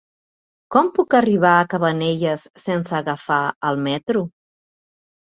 Com puc arribar a Cabanelles sense agafar el metro?